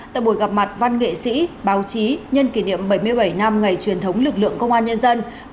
tại buổi gặp mặt văn nghệ sĩ báo chí nhân kỷ niệm bảy mươi bảy năm ngày truyền thống lực lượng công an nhân dân